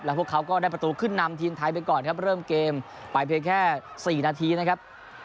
พวกเขาก็ได้ประตูขึ้นนำทีมไทยไปก่อนครับเริ่มเกมไปเพียงแค่๔นาทีนะครับ